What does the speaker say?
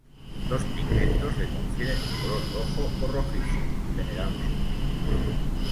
Los pigmentos les confieren un color rojo o rojizo, generalmente.